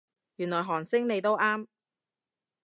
原來韓星你都啱